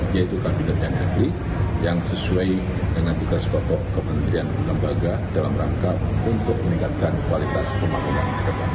yaitu kabinet yang hadir yang sesuai dengan tugas pokok kementerian lembaga dalam rangka untuk meningkatkan kualitas pembangunan ke depan